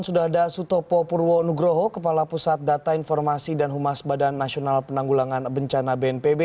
sudah ada sutopo purwonugroho kepala pusat data informasi dan humas badan nasional penanggulangan bencana bnpb